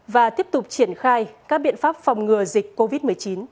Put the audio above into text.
và tiếp tục triển khai các biện pháp phòng ngừa dịch covid một mươi chín